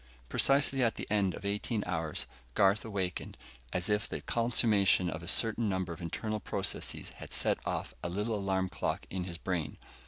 Precisely at the end of eighteen hours, Garth awakened, as if the consummation of a certain number of internal processes had set off a little alarm clock in his brain.